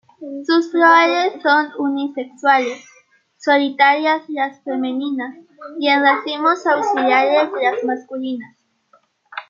Sus flores son unisexuales, solitarias las femeninas y en racimos auxiliares las masculinas.